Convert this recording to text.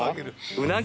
うなぎ？